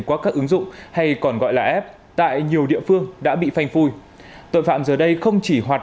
sử dụng hay còn gọi là ép tại nhiều địa phương đã bị phanh phui tội phạm giờ đây không chỉ hoạt